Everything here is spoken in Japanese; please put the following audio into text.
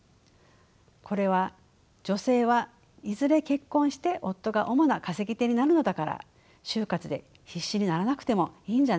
これは「女性はいずれ結婚して夫が主な稼ぎ手になるのだから就活で必死にならなくてもいいんじゃない？